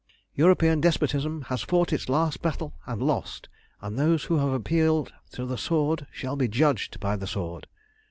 European despotism has fought its last battle and lost, and those who have appealed to the sword shall be judged by the sword."